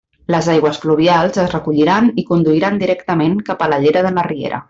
Les aigües pluvials es recolliran i conduiran directament cap a la llera de la riera.